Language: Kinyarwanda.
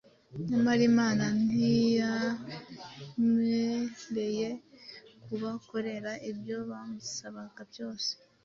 Nyamara Imana ntiyamwereye kubakorera ibyo bamusabaga byose.